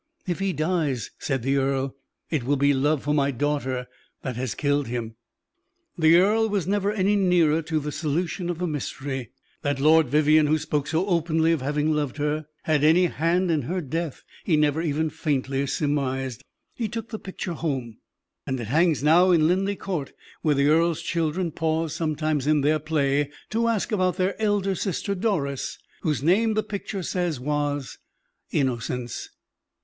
"If he dies," said the earl, "it will be love for my daughter that has killed him." The earl was never any nearer to the solution of the mystery. That Lord Vivianne, who spoke so openly of having loved her, had any hand in her death, he never even faintly surmised. He took the picture home, and it hangs now in Linleigh Court, where the earl's children pause sometimes in their play to ask about their elder sister, Doris, whose name the picture says was "Innocence."